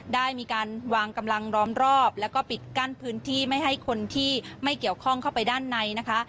ได้มีการวางกำลังล้อมรอบแล้วก็ปิดกั้นพื้นที่ไม่ให้คนที่ไม่เกี่ยวข้องเข้าไปด้านในนะคะ